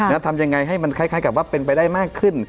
แล้วทำยังไงให้มันคล้ายกับว่าเป็นไปได้มากขึ้น